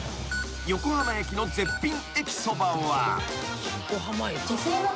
［横浜駅の絶品駅そばは］